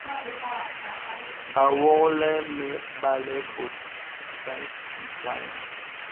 Awɔ̄lə̀ mə âbalə̀ bòt pək ìtagha.